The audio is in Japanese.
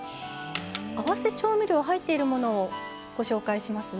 合わせ調味料入っているものをご紹介します。